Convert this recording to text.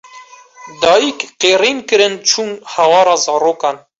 Dayîk qîrîn kirin çûn hewara zarokan